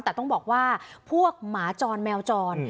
แต่ต้องบอกว่าพวกหมาจรแมวจร